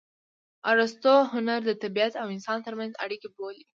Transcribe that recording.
ارستو هنر د طبیعت او انسان ترمنځ اړیکه بولي